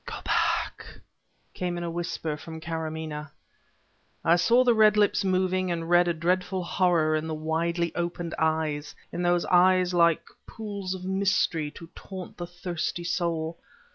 "Go back!" came in a whisper from Karamaneh. I saw the red lips moving and read a dreadful horror in the widely opened eyes, in those eyes like pools of mystery to taunt the thirsty soul.